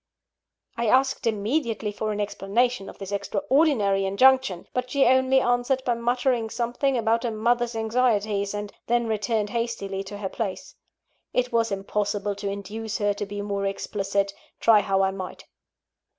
I asked immediately for an explanation of this extraordinary injunction; but she only answered by muttering something about a mother's anxieties, and then returned hastily to her place. It was impossible to induce her to be more explicit, try how I might.